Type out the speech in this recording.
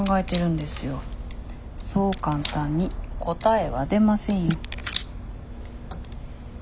そう簡単に答えは出ませんよ。